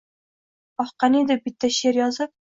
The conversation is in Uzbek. Oh, qaniydi, bitta ShEЪR yozib